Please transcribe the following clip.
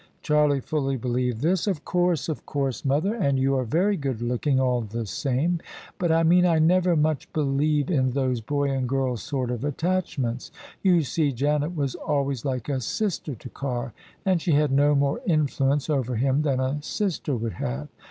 Charlie fully believed this. " Of course, of course, mother: and you are very good looking, all the same. But I mean I never much believe in those boy and girl sort of attachments. You see, Janet was always like a sister to Carr, and she had no more influence over him than a sister would have.